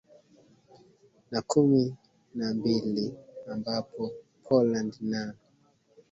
na kumi na mbili ambapo poland na